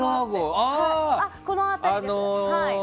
この辺りです。